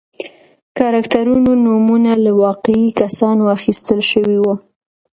کرکټرونو نومونه له واقعي کسانو اخیستل شوي و.